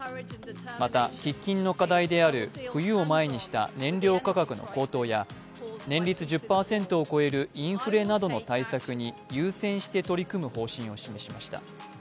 また、喫緊の課題である冬を前にした燃料価格の高騰や年率１０％を超えるインフレなどの対策に優先して取り組む方針を示しました。